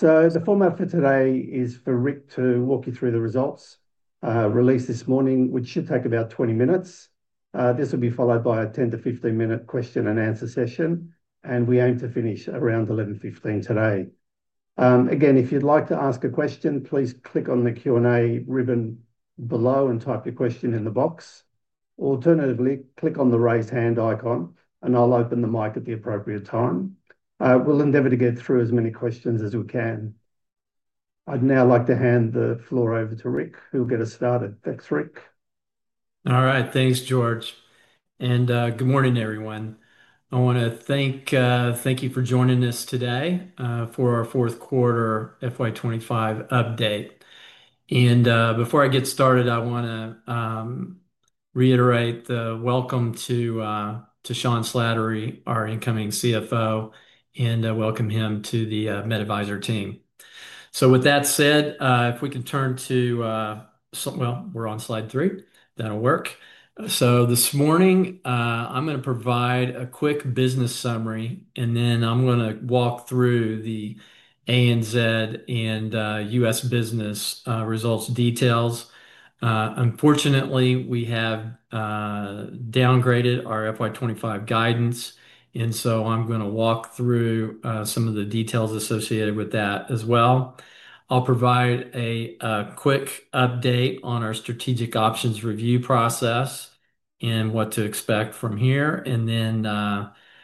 The format for today is for Rick to walk you through the results, released this morning, which should take about 20 minutes. This will be followed by a 10 to 15 minute question and answer session, and we aim to finish around 11:15 today. Again, if you'd like to ask a question, please click on the Q&A ribbon below and type your question in the box. Alternatively, click on the raised hand icon, and I'll open the mic at the appropriate time. We'll endeavor to get through as many questions as we can. I'd now like to hand the floor over to Rick, who will get us started. Thanks, Rick. All right. Thanks, George, and good morning, everyone. I want to thank you for joining us today for our fourth quarter FY 2025 update. Before I get started, I want to reiterate the welcome to Sean Slattery, our incoming CFO, and welcome him to the MedAdvisor team. With that said, if we can turn to some, well, we're on slide three. That'll work. This morning, I'm going to provide a quick business summary, and then I'm going to walk through the ANZ and U.S. business results details. Unfortunately, we have downgraded our FY 2025 guidance, and I'm going to walk through some of the details associated with that as well. I'll provide a quick update on our strategic options review process and what to expect from here, then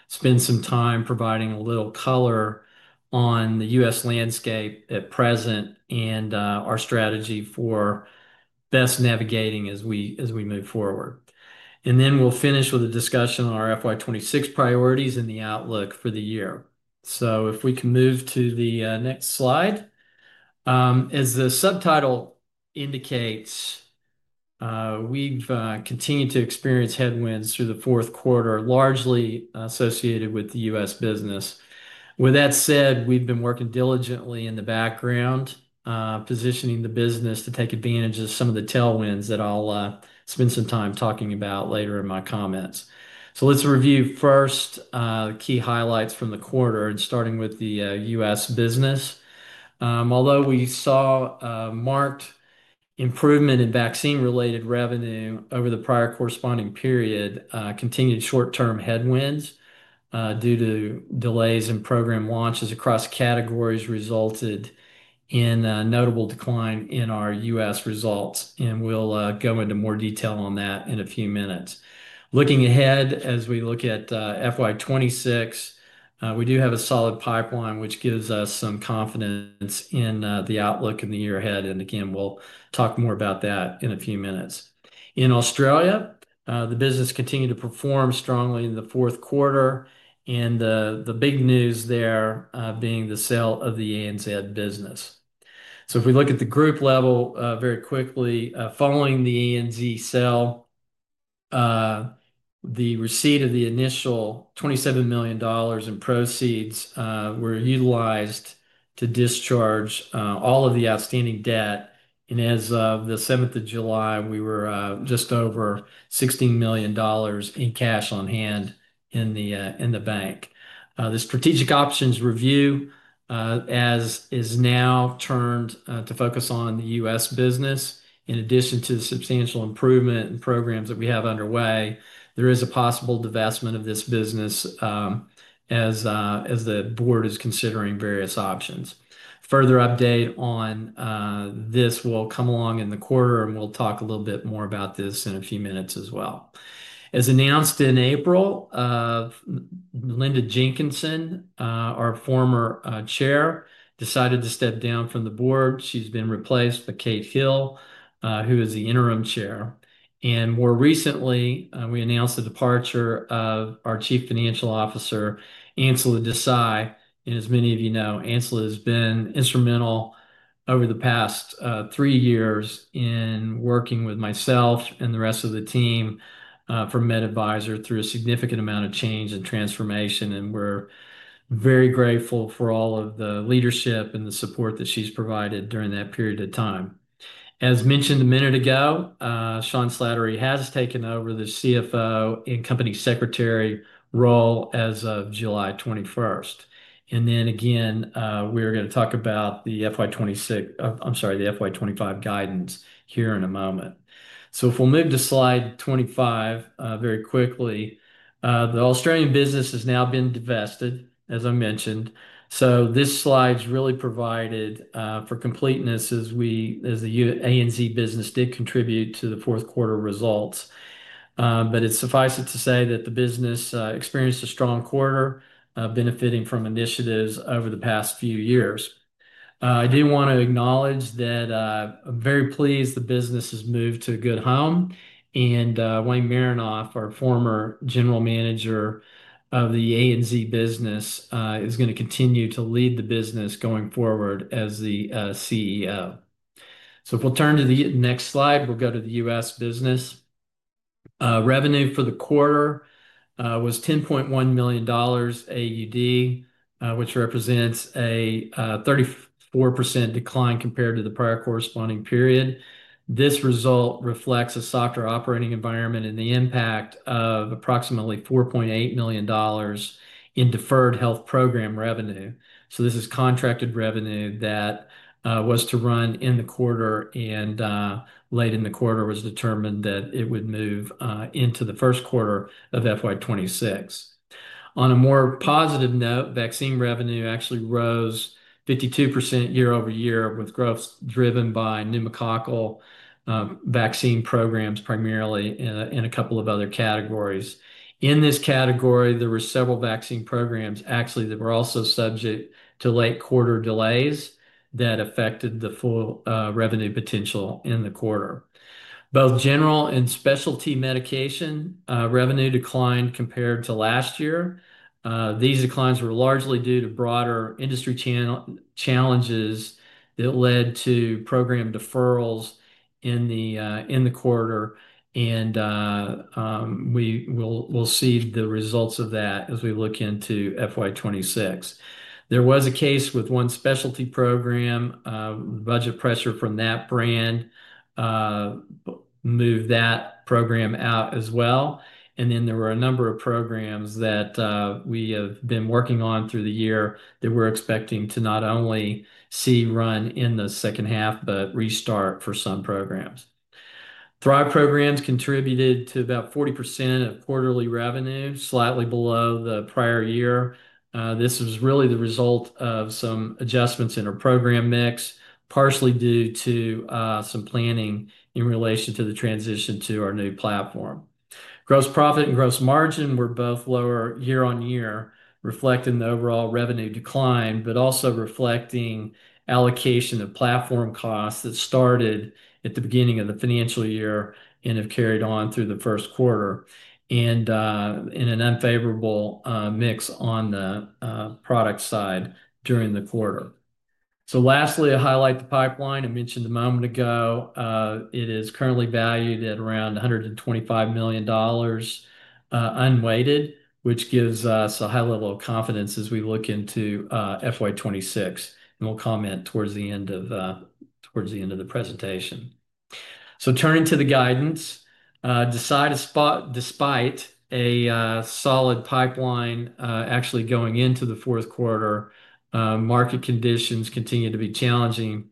spend some time providing a little color on the U.S. landscape at present and our strategy for best navigating as we move forward. We'll finish with a discussion on our FY 2026 priorities and the outlook for the year. If we can move to the next slide. As the subtitle indicates, we've continued to experience headwinds through the fourth quarter, largely associated with the U.S. business. With that said, we've been working diligently in the background, positioning the business to take advantage of some of the tailwinds that I'll spend some time talking about later in my comments. Let's review first key highlights from the quarter, starting with the U.S. business. Although we saw a marked improvement in vaccine-related revenue over the prior corresponding period, continued short-term headwinds due to delays in program launches across categories resulted in a notable decline in our U.S. results. We'll go into more detail on that in a few minutes. Looking ahead, as we look at FY 2026, we do have a solid pipeline, which gives us some confidence in the outlook in the year ahead. Again, we'll talk more about that in a few minutes. In Australia, the business continued to perform strongly in the fourth quarter, and the big news there being the sale of the ANZ business. If we look at the group level very quickly, following the ANZ sale, the receipt of the initial 27 million dollars in proceeds were utilized to discharge all of the outstanding debt. As of the 7th of July, we were just over 16 million dollars in cash on hand in the bank. The strategic options review has now turned to focus on the U.S. business. In addition to the substantial improvement in programs that we have underway, there is a possible divestment of this business, as the board is considering various options. Further update on this will come along in the quarter, and we'll talk a little bit more about this in a few minutes as well. As announced in April, Linda Jenkinson, our former chair, decided to step down from the board. She's been replaced by Kate Hill, who is the interim chair. More recently, we announced the departure of our Chief Financial Officer, Ancila Desai. As many of you know, Ancila has been instrumental over the past three years in working with myself and the rest of the team for MedAdvisor through a significant amount of change and transformation. We're very grateful for all of the leadership and the support that she's provided during that period of time. As mentioned a minute ago, Sean Slattery has taken over the CFO and company secretary role as of July 21st. We're going to talk about the FY 2025 guidance here in a moment. If we'll move to slide 25, very quickly, the Australian business has now been divested, as I mentioned. This slide's really provided for completeness as the ANZ business did contribute to the fourth quarter results. It's suffice it to say that the business experienced a strong quarter, benefiting from initiatives over the past few years. I do want to acknowledge that I'm very pleased the business has moved to a good home. Wayne Marinoff, our former general manager of the ANZ business, is going to continue to lead the business going forward as the CEO. If we'll turn to the next slide, we'll go to the US business. Revenue for the quarter was 10.1 million AUD, which represents a 34% decline compared to the prior corresponding period. This result reflects a softer operating environment and the impact of approximately 4.8 million dollars in deferred health program revenue. This is contracted revenue that was to run in the quarter, and late in the quarter was determined that it would move into the first quarter of FY 2026. On a more positive note, vaccine revenue actually rose 52% year-over-year with growth driven by pneumococcal vaccine programs primarily and a couple of other categories. In this category, there were several vaccine programs actually that were also subject to late quarter delays that affected the full revenue potential in the quarter. Both general and specialty medication revenue declined compared to last year. These declines were largely due to broader industry challenges that led to program deferrals in the quarter. We will see the results of that as we look into FY 2026. There was a case with one specialty program; budget pressure from that brand moved that program out as well. There were a number of programs that we have been working on through the year that we're expecting to not only see run in the second half but restart for some programs. Thrive programs contributed to about 40% of quarterly revenue, slightly below the prior year. This was really the result of some adjustments in our program mix, partially due to some planning in relation to the transition to our new platform. Gross profit and gross margin were both lower year-on-year, reflecting the overall revenue decline but also reflecting allocation of platform costs that started at the beginning of the financial year and have carried on through the first quarter, and an unfavorable mix on the product side during the quarter. Lastly, I highlight the pipeline I mentioned a moment ago. It is currently valued at around 125 million dollars, unweighted, which gives us a high level of confidence as we look into FY 2026. We will comment towards the end of the presentation. Turning to the guidance, despite a solid pipeline actually going into the fourth quarter, market conditions continued to be challenging,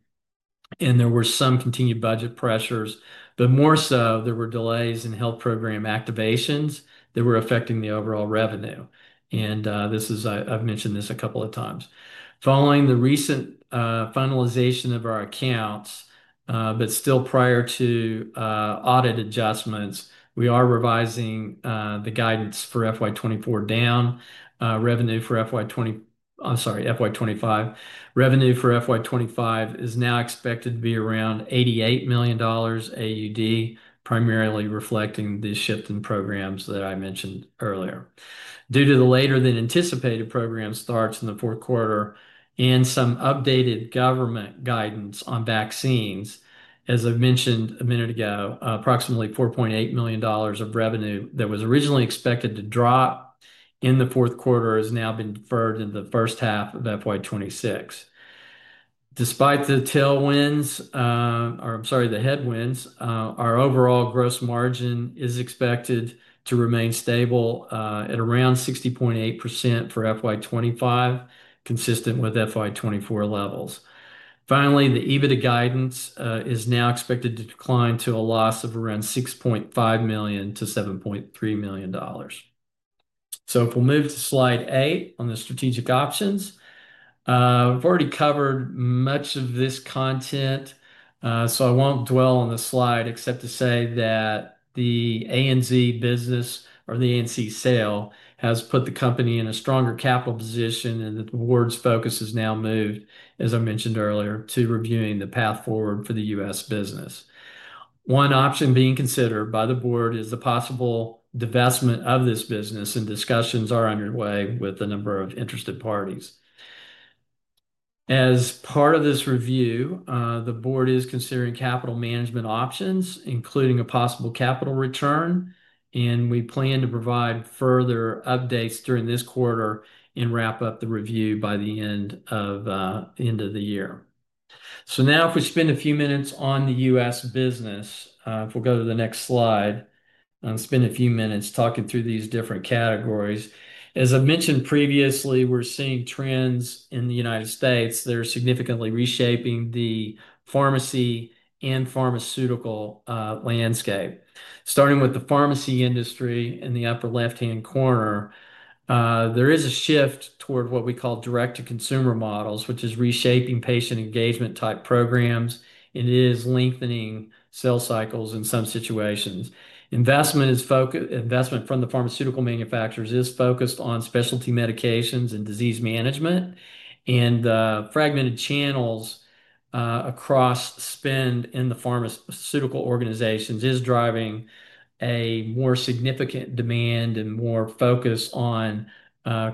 and there were some continued budget pressures. More so, there were delays in health program activations that were affecting the overall revenue. I have mentioned this a couple of times. Following the recent finalization of our accounts, but still prior to audit adjustments, we are revising the guidance for FY 2024 down. Revenue for FY 2025 is now expected to be around 88 million dollars, primarily reflecting the shift in programs that I mentioned earlier. Due to the later-than-anticipated program starts in the fourth quarter and some updated government guidance on vaccines, as I mentioned a minute ago, approximately 4.8 million dollars of revenue that was originally expected to drop in the fourth quarter has now been deferred to the first half of FY 2026. Despite the headwinds, our overall gross margin is expected to remain stable at around 60.8% for FY 2025, consistent with FY 2024 levels. Finally, the EBITDA guidance is now expected to decline to a loss of around 6.5 million-7.3 million dollars. If we move to slide eight on the strategic options, we've already covered much of this content, so I won't dwell on the slide except to say that the ANZ business or the ANZ sale has put the company in a stronger capital position, and the board's focus has now moved, as I mentioned earlier, to reviewing the path forward for the U.S. business. One option being considered by the board is the possible divestment of this business, and discussions are underway with a number of interested parties. As part of this review, the board is considering capital management options, including a possible capital return, and we plan to provide further updates during this quarter and wrap up the review by the end of the year. If we spend a few minutes on the U.S. business, if we go to the next slide, I'll spend a few minutes talking through these different categories. As I've mentioned previously, we're seeing trends in the United States that are significantly reshaping the pharmacy and pharmaceutical landscape. Starting with the pharmacy industry in the upper left-hand corner, there is a shift toward what we call direct-to-consumer models, which is reshaping patient engagement-type programs, and it is lengthening sale cycles in some situations. Investment from the pharmaceutical manufacturers is focused on specialty medications and disease management. The fragmented channels across spend in the pharmaceutical organizations is driving a more significant demand and more focus on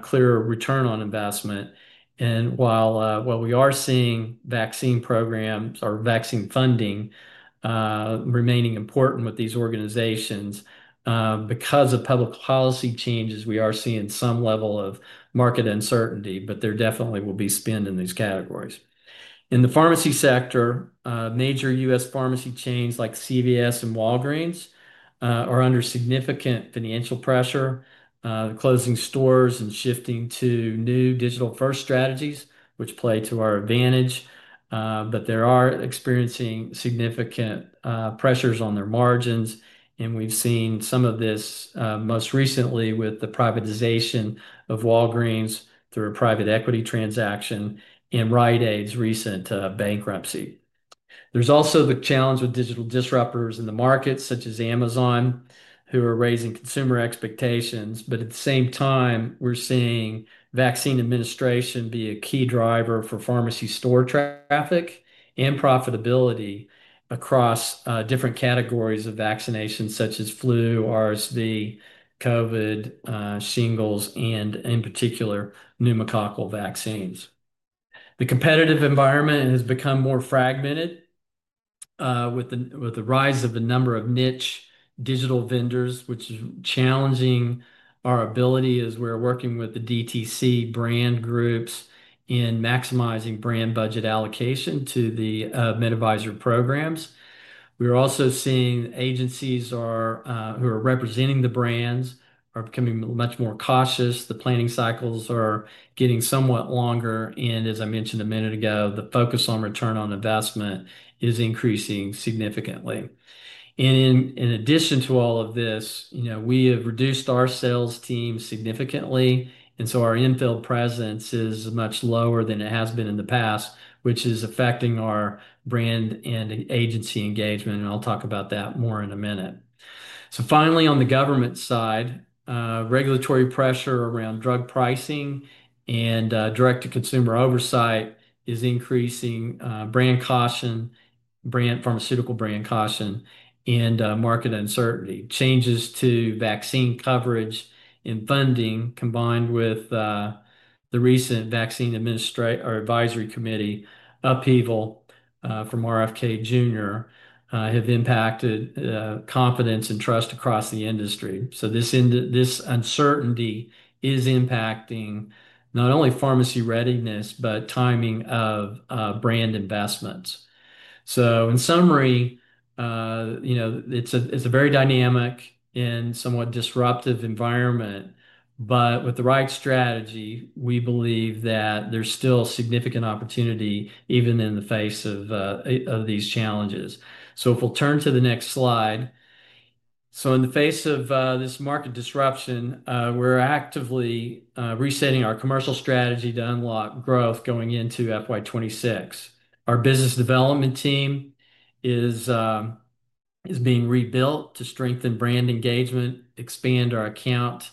clearer return on investment. While we are seeing vaccine programs or vaccine funding remaining important with these organizations, because of public policy changes, we are seeing some level of market uncertainty, but there definitely will be spend in these categories. In the pharmacy sector, major U.S. pharmacy chains like CVS and Walgreens are under significant financial pressure, closing stores and shifting to new digital-first strategies, which play to our advantage, but they are experiencing significant pressures on their margins. We've seen some of this most recently with the privatization of Walgreens through a private equity transaction and Rite Aid's recent bankruptcy. There's also the challenge with digital disruptors in the market, such as Amazon, who are raising consumer expectations. At the same time, we're seeing vaccine administration be a key driver for pharmacy store traffic and profitability across different categories of vaccination, such as flu, RSV, COVID, shingles, and in particular, pneumococcal vaccines. The competitive environment has become more fragmented, with the rise of the number of niche digital vendors, which is challenging our ability as we're working with the DTC brand groups in maximizing brand budget allocation to the MedAdvisor programs. We're also seeing agencies who are representing the brands are becoming much more cautious. The planning cycles are getting somewhat longer. As I mentioned a minute ago, the focus on return on investment is increasing significantly. In addition to all of this, we have reduced our sales team significantly. Our infill presence is much lower than it has been in the past, which is affecting our brand and agency engagement. I'll talk about that more in a minute. Finally, on the government side, regulatory pressure around drug pricing and direct-to-consumer oversight is increasing, brand pharmaceutical brand caution, and market uncertainty. Changes to vaccine coverage and funding, combined with the recent vaccine or advisory committee upheaval from RFK Jr., have impacted confidence and trust across the industry. This uncertainty is impacting not only pharmacy readiness but timing of brand investments. In summary, it's a very dynamic and somewhat disruptive environment. With the right strategy, we believe that there's still significant opportunity even in the face of these challenges. If we'll turn to the next slide. In the face of this market disruption, we're actively resetting our commercial strategy to unlock growth going into FY 2026. Our business development team is being rebuilt to strengthen brand engagement, expand our account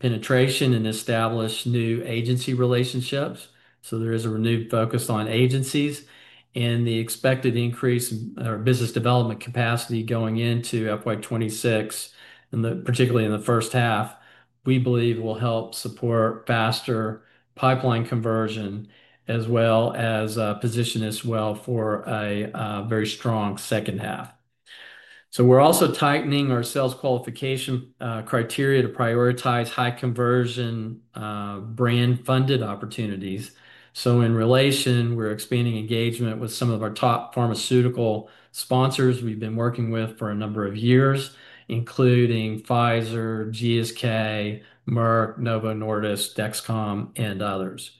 penetration, and establish new agency relationships. There is a renewed focus on agencies. The expected increase in our business development capacity going into FY 2026, and particularly in the first half, we believe will help support faster pipeline conversion as well as position us well for a very strong second half. We're also tightening our sales qualification criteria to prioritize high-conversion, brand-funded opportunities. In relation, we're expanding engagement with some of our top pharmaceutical sponsors we've been working with for a number of years, including Pfizer, GSK, Merck, Novo Nordisk, Dexcom, and others.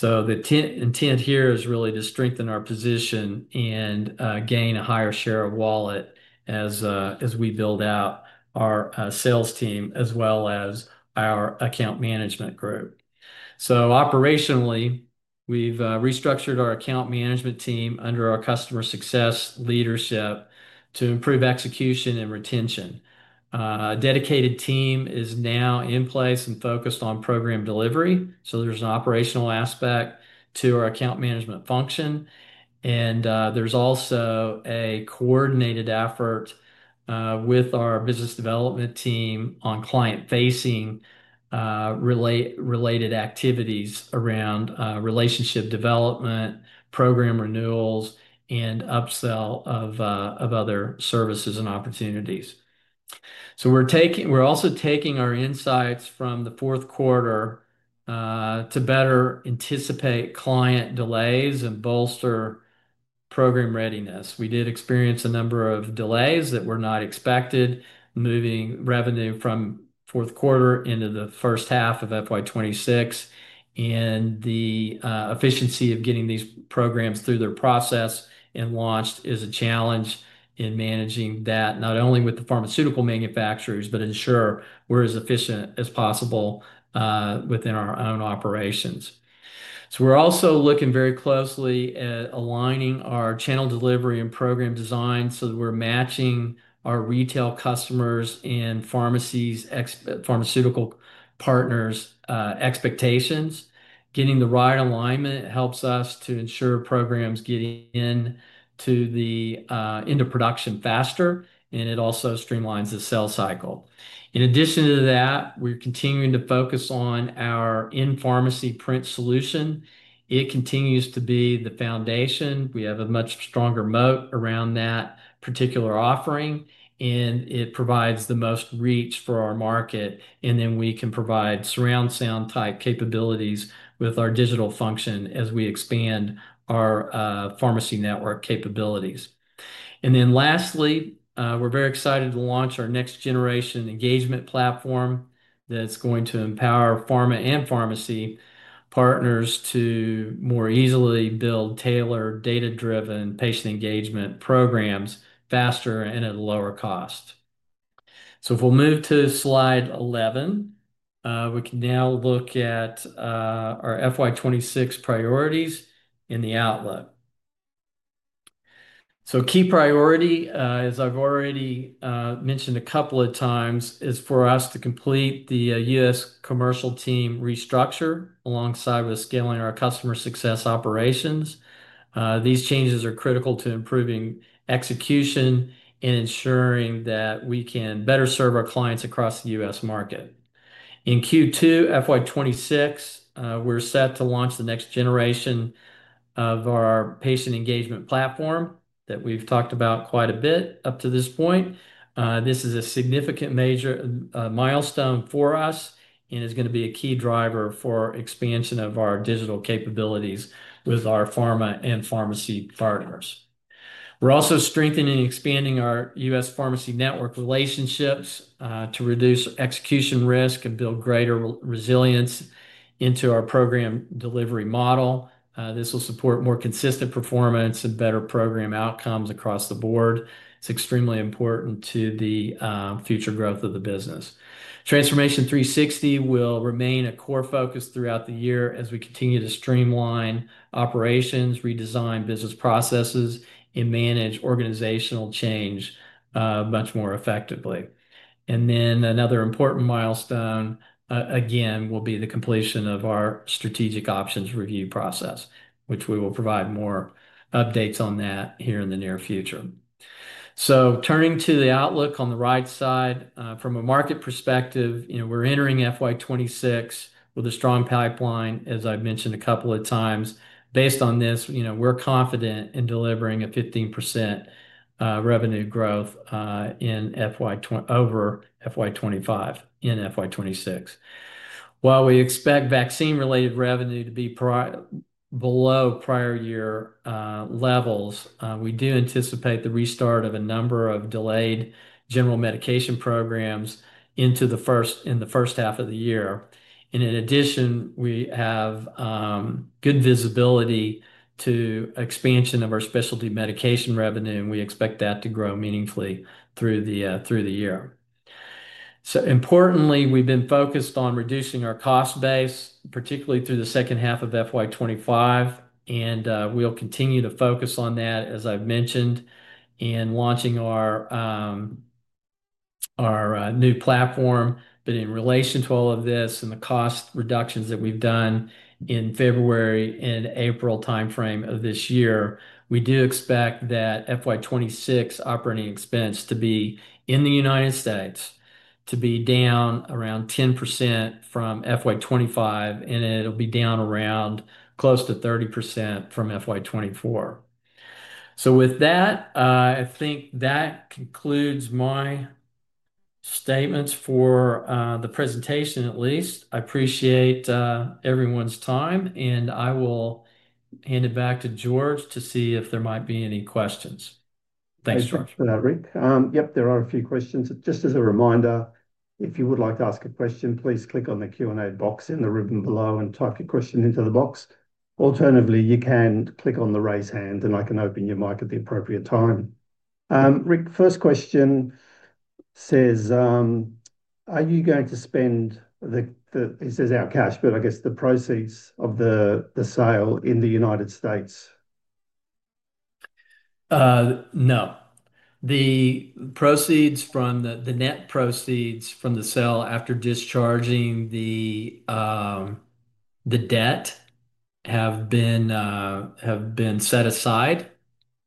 The intent here is really to strengthen our position and gain a higher share of wallet as we build out our sales team as well as our account management group. Operationally, we've restructured our account management team under our Customer Success leadership to improve execution and retention. A dedicated team is now in place and focused on program delivery. There's an operational aspect to our account management function, and there's also a coordinated effort with our Business Development team on client-facing related activities around relationship development, program renewals, and upsell of other services and opportunities. We're also taking our insights from the fourth quarter to better anticipate client delays and bolster program readiness. We did experience a number of delays that were not expected, moving revenue from the fourth quarter into the first half of FY 2026. The efficiency of getting these programs through their process and launched is a challenge in managing that, not only with the pharmaceutical manufacturers but ensuring we're as efficient as possible within our own operations. We're also looking very closely at aligning our channel delivery and program design so that we're matching our retail customers and pharmacies' pharmaceutical partners' expectations. Getting the right alignment helps us to ensure programs get into production faster, and it also streamlines the sale cycle. In addition to that, we're continuing to focus on our in-pharmacy print solution. It continues to be the foundation. We have a much stronger moat around that particular offering, and it provides the most reach for our market. We can provide surround sound type capabilities with our digital function as we expand our pharmacy network capabilities. Lastly, we're very excited to launch our Next Generation Patient Engagement Platform that's going to empower pharma and pharmacy partners to more easily build tailored, data-driven patient engagement programs faster and at a lower cost. If we'll move to slide 11, we can now look at our FY 2026 priorities and the outlook. Key priority, as I've already mentioned a couple of times, is for us to complete the U.S. commercial team restructure alongside scaling our customer success operations. These changes are critical to improving execution and ensuring that we can better serve our clients across the U.S. market. In Q2 FY 2026, we're set to launch the Next Generation Patient Engagement Platform that we've talked about quite a bit up to this point. This is a significant, major milestone for us and is going to be a key driver for expansion of our digital capabilities with our pharma and pharmacy partners. We're also strengthening and expanding our U.S. pharmacy network relationships to reduce execution risk and build greater resilience into our program delivery model. This will support more consistent performance and better program outcomes across the board. It's extremely important to the future growth of the business. Transformation 360 will remain a core focus throughout the year as we continue to streamline operations, redesign business processes, and manage organizational change much more effectively. Another important milestone, again, will be the completion of our strategic options review process, which we will provide more updates on here in the near future. Turning to the outlook on the right side, from a market perspective, we're entering FY 2026 with a strong pipeline, as I've mentioned a couple of times. Based on this, we're confident in delivering a 15% revenue growth in FY 2025 and FY 2026. While we expect vaccine-related revenue to be below prior year levels, we do anticipate the restart of a number of delayed general medication programs in the first half of the year. In addition, we have good visibility to expansion of our specialty medication revenue, and we expect that to grow meaningfully through the year. Importantly, we've been focused on reducing our cost base, particularly through the second half of FY 2025, and we'll continue to focus on that, as I've mentioned, in launching our new platform. In relation to all of this and the cost reductions that we've done in the February and April timeframe of this year, we do expect that FY 2026 operating expense in the United States to be down around 10% from FY 2025, and it'll be down around close to 30% from FY 2024. That concludes my statements for the presentation at least. I appreciate everyone's time, and I will hand it back to George to see if there might be any questions. Thanks, George. Thanks, Rick, there are a few questions. Just as a reminder, if you would like to ask a question, please click on the Q&A box in the ribbon below and type your question into the box. Alternatively, you can click on the raised hand, and I can open your mic at the appropriate time. Rick, first question says, are you going to spend the, this is our cash, but I guess the proceeds of the sale in the U.S.? No. The net proceeds from the sale after discharging the debt have been set aside.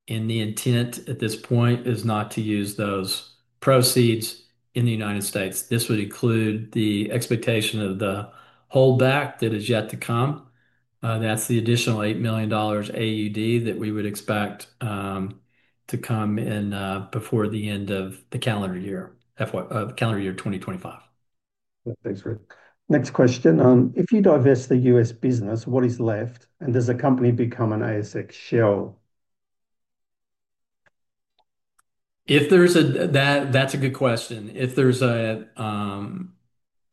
The intent at this point is not to use those proceeds in the U.S. This would include the expectation of the holdback that is yet to come. That's the additional 8 million AUD that we would expect to come in before the end of calendar year 2025. Thanks, Rick. Next question. If you divest the U.S. business, what is left? Does a company become an ASX shell? That's a good question. If there's a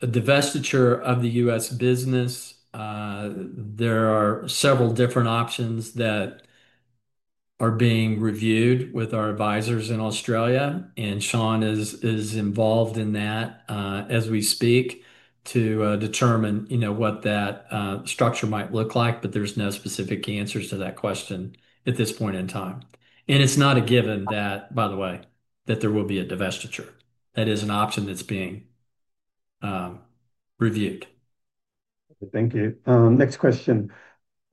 divestment of the U.S. business, there are several different options that are being reviewed with our advisors in Australia. Sean is involved in that, as we speak, to determine what that structure might look like. There's no specific answers to that question at this point in time. It's not a given, by the way, that there will be a divestment. That is an option that's being reviewed. Thank you. Next question.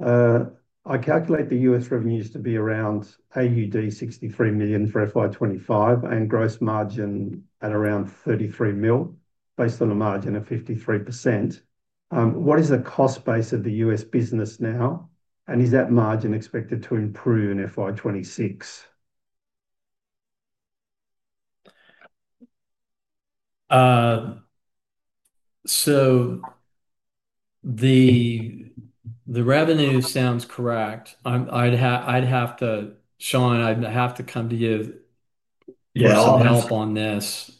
I calculate the U.S. revenues to be around AUD 63 million for FY 2025 and gross margin at around 33 million based on a margin of 53%. What is the cost base of the U.S. business now? Is that margin expected to improve in FY 2026? The revenue sounds correct. I'd have to, Sean, I'd have to come to you for help on this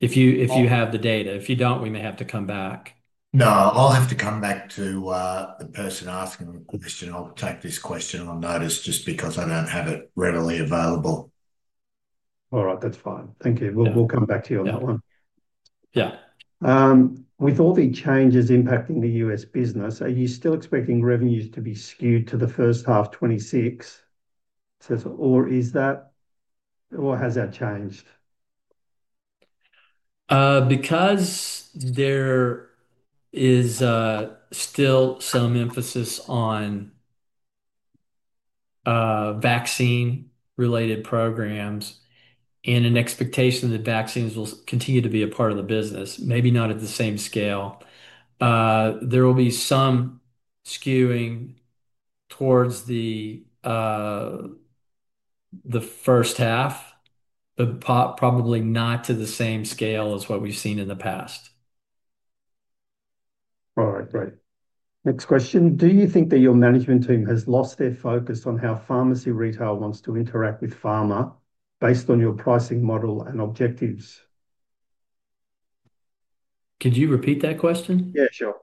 if you have the data. If you don't, we may have to come back. No, I'll have to come back to the person asking the question. I'll take this question on notice, just because I don't have it readily available. All right. Thank you. We'll come back to you on that one. With all the changes impacting the U.S. business, are you still expecting revenues to be skewed to the first half of 2026, or has that changed? Because there is still some emphasis on vaccine-related programs and an expectation that vaccines will continue to be a part of the business, maybe not at the same scale, there will be some skewing towards the first half, but probably not to the same scale as what we've seen in the past. All right. Great. Next question. Do you think that your management team has lost their focus on how pharmacy retail wants to interact with pharma based on your pricing model and objectives? Could you repeat that question? Yeah, sure.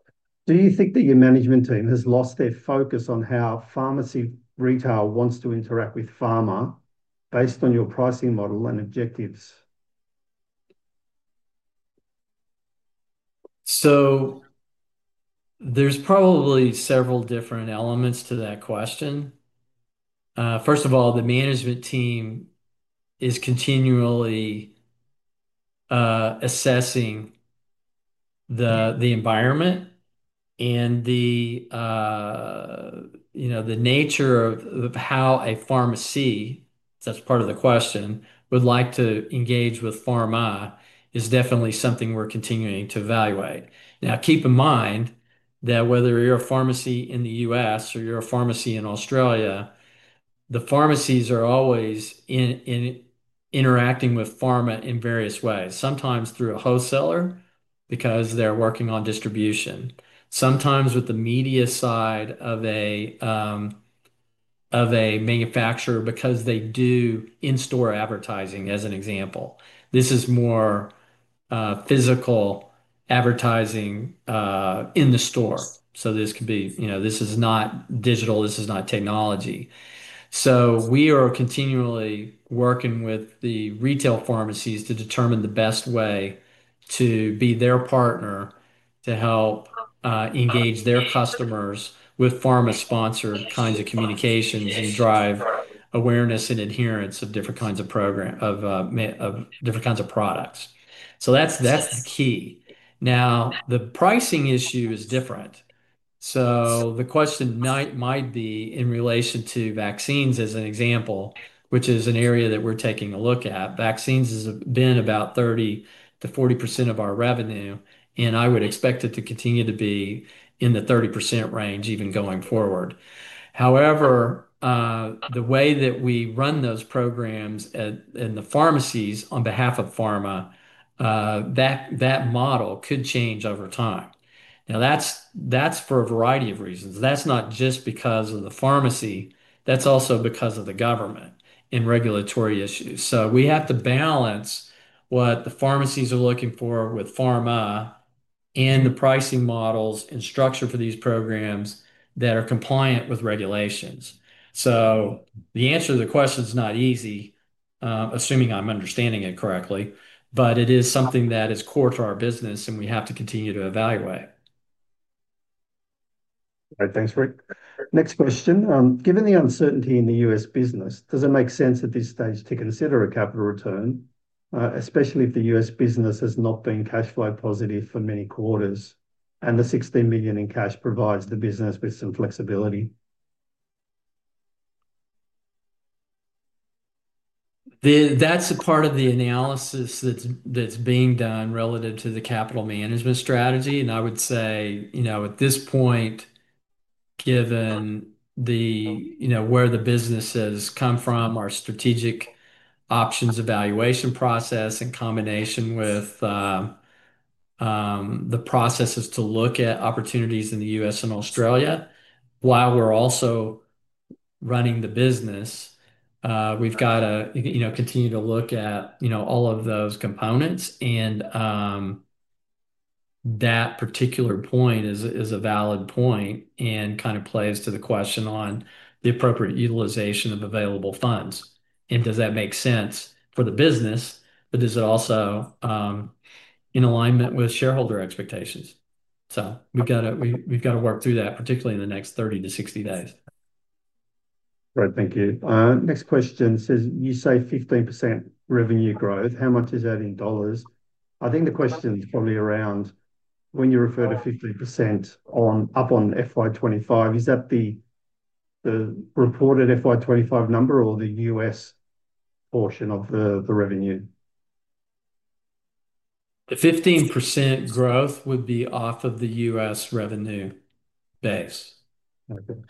Do you think that your management team has lost their focus on how pharmacy retail wants to interact with pharma based on your pricing model and objectives? There are probably several different elements to that question. First of all, the management team is continually assessing the environment and the nature of how a pharmacy, that's part of the question, would like to engage with pharma, is definitely something we're continuing to evaluate. Keep in mind that whether you're a pharmacy in the U.S. or you're a pharmacy in Australia, the pharmacies are always interacting with pharma in various ways, sometimes through a wholesaler because they're working on distribution, sometimes with the media side of a manufacturer because they do in-store advertising, as an example. This is more physical advertising in the store. This is not digital. This is not technology. We are continually working with the retail pharmacies to determine the best way to be their partner to help engage their customers with pharma-sponsored kinds of communications and drive awareness and adherence of different kinds of programs, of different kinds of products. That's the key. The pricing issue is different. The question might be in relation to vaccines as an example, which is an area that we're taking a look at. Vaccines have been about 30%-40% of our revenue, and I would expect it to continue to be in the 30% range even going forward. However, the way that we run those programs in the pharmacies on behalf of pharma, that model could change over time. That's for a variety of reasons. That's not just because of the pharmacy. That's also because of the government and regulatory issues. We have to balance what the pharmacies are looking for with pharma and the pricing models and structure for these programs that are compliant with regulations. The answer to the question is not easy, assuming I'm understanding it correctly, but it is something that is core to our business, and we have to continue to evaluate. All right. Thanks, Rick. Next question. Given the uncertainty in the U.S. business, does it make sense at this stage to consider a capital return, especially if the U.S. business has not been cash flow positive for many quarters and the 16 million in cash provides the business with some flexibility? That's a part of the analysis that's being done relative to the capital management strategy. I would say, at this point, given where the business has come from, our strategic options evaluation process in combination with the processes to look at opportunities in the U.S. and Australia, while we're also running the business, we've got to continue to look at all of those components. That particular point is a valid point and kind of plays to the question on the appropriate utilization of available funds. Does that make sense for the business, but is it also in alignment with shareholder expectations? We've got to work through that, particularly in the next 30 days-60 days. All right. Thank you. Next question says, you say 15% revenue growth. How much is that in dollars? I think the question is probably around when you refer to 15% on up on FY 2025. Is that the reported FY 2025 number or the U.S. portion of the revenue? The 15% growth would be off of the U.S. revenue base. Okay.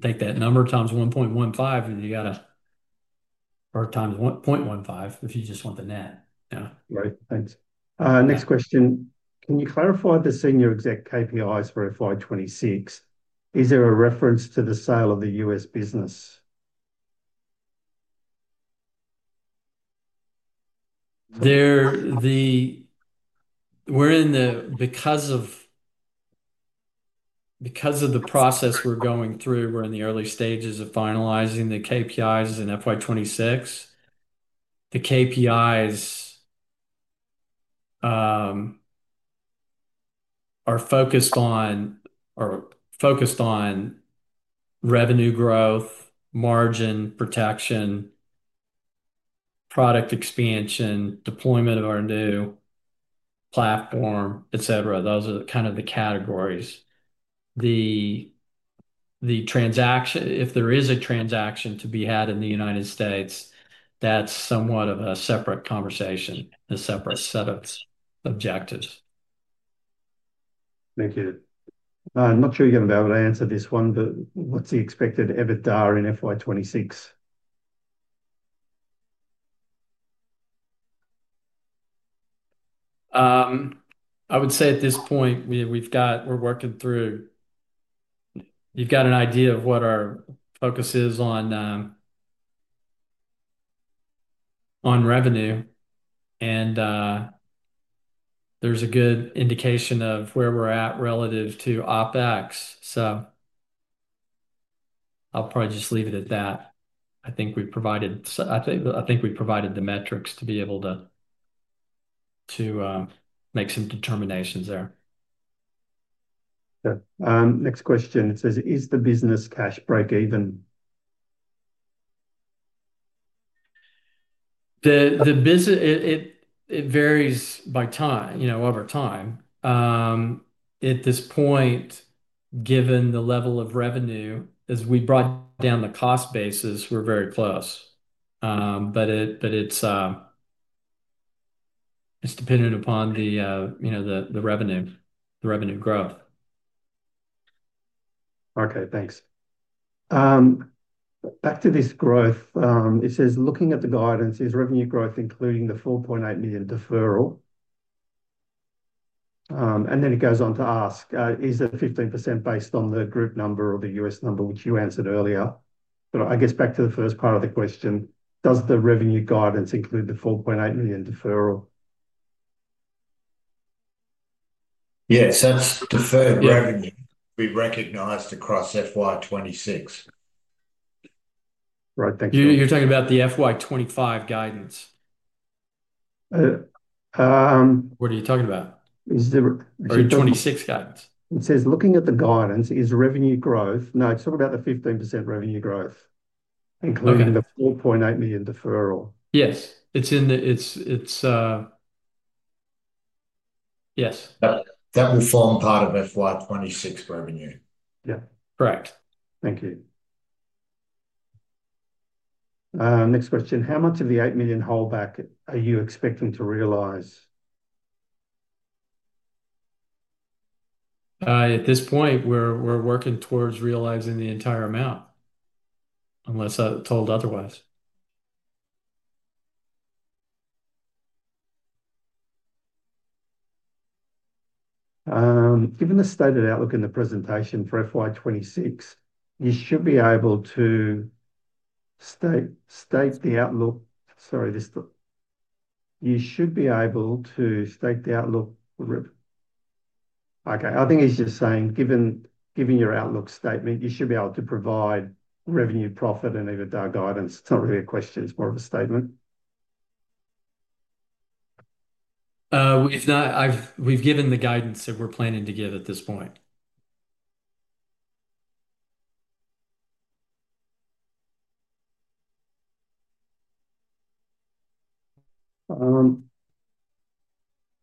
Take that number x1.15, and you got to, or x1.15 if you just want the net. Right. Thanks. Next question. Can you clarify the senior exec KPIs for FY 2026? Is there a reference to the sale of the U.S. business? Because of the process we're going through, we're in the early stages of finalizing the KPIs in FY 2026. The KPIs are focused on revenue growth, margin protection, product expansion, deployment of our new platform, etc. Those are kind of the categories. The transaction, if there is a transaction to be had in the U.S., that's somewhat of a separate conversation, a separate set of objectives. Thank you. I'm not sure you're going to be able to answer this one, but what's the expected EBITDA in FY 2026? I would say at this point, we're working through, you've got an idea of what our focus is on revenue, and there's a good indication of where we're at relative to OpEx. I'll probably just leave it at that. I think we provided the metrics to be able to make some determinations there. Okay. Next question. It says, is the business cash break even? The business varies by time over time. At this point, given the level of revenue, as we brought down the cost basis, we're very close. It is dependent upon the revenue, the revenue growth. Okay. Thanks. Back to this growth, it says, looking at the guidance, is revenue growth including the 4.8 million deferral? Is it the 15% based on the group number or the U.S. number, which you answered earlier? I guess back to the first part of the question. Does the revenue guidance include the 4.8 million deferral? Yes, that's deferred revenue. We recognized across FY 2026. Right. Thank you. You're talking about the FY 2025 guidance. What are you talking about? Is the FY 2026 guidance? It says, looking at the guidance, is revenue growth, no, it's talking about the 15% revenue growth, including the 4.8 million deferral. Yes, it's in the, yes. That will form part of FY 2026 revenue. Correct. Thank you. Next question. How much of the 8 million holdback are you expecting to realize? At this point, we're working towards realizing the entire amount unless I'm told otherwise. Given the stated outlook in the presentation for FY 2026, you should be able to state the outlook. I think he's just saying, given your outlook statement, you should be able to provide revenue, profit, and EBITDA guidance. It's not really a question. It's more of a statement. We've given the guidance that we're planning to give at this point.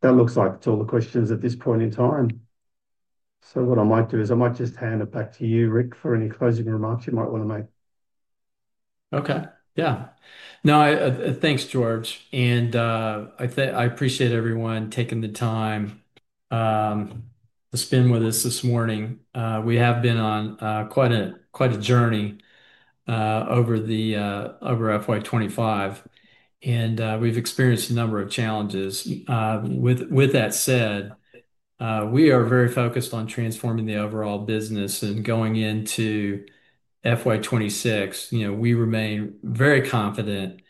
That looks like it's all the questions at this point in time. What I might do is just hand it back to you, Rick, for any closing remarks you might want to make. Okay. Yeah. No, thanks, George. I appreciate everyone taking the time to spend with us this morning. We have been on quite a journey over FY 2025, and we've experienced a number of challenges. With that said, we are very focused on transforming the overall business and going into FY 2026. You know, we remain very confident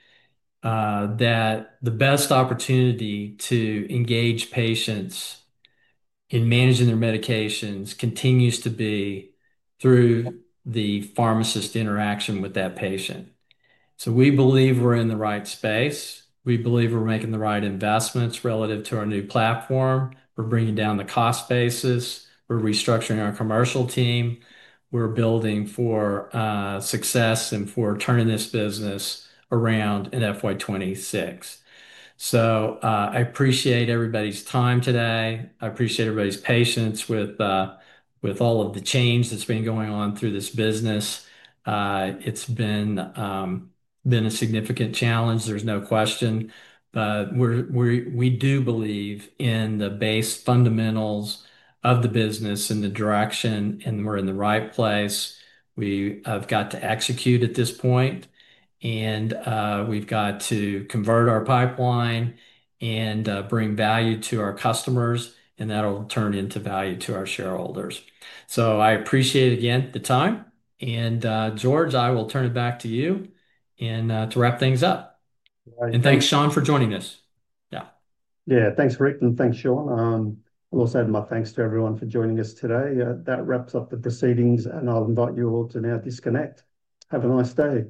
that the best opportunity to engage patients in managing their medications continues to be through the pharmacist interaction with that patient. We believe we're in the right space. We believe we're making the right investments relative to our new platform. We're bringing down the cost basis. We're restructuring our commercial team. We're building for success and for turning this business around in FY 2026. I appreciate everybody's time today. I appreciate everybody's patience with all of the change that's been going on through this business. It's been a significant challenge. There's no question. We do believe in the base fundamentals of the business and the direction, and we're in the right place. We have got to execute at this point, and we've got to convert our pipeline and bring value to our customers, and that'll turn into value to our shareholders. I appreciate again the time. George, I will turn it back to you to wrap things up. Thanks, Sean, for joining us. Yeah. Yeah. Thanks, Rick, and thanks, Sean. I'll also add my thanks to everyone for joining us today. That wraps up the proceedings, and I'll invite you all to now disconnect. Have a nice day.